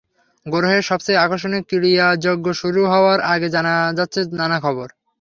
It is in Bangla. গ্রহের সবচেয়ে আকর্ষণীয় ক্রীড়াযজ্ঞ শুরু হওয়ার আগে জানা যাচ্ছে নানা খবর।